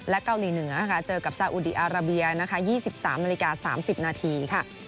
และเกาหลีเหนือเจอกับสาวุดีอาราเบีย๒๓นาฬิกา๓๐นาที